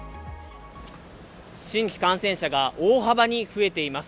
新規感染者が大幅に増えています。